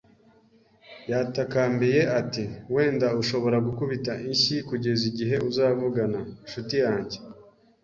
Yatakambiye ati: “Wenda ushobora gukubita inshyi kugeza igihe uzavugana, nshuti yanjye.”